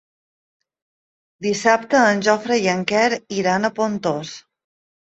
Dissabte en Jofre i en Quer iran a Pontós.